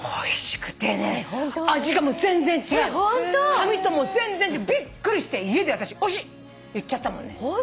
紙ともう全然びっくりして家で私「おいしい！」言っちゃったもんね。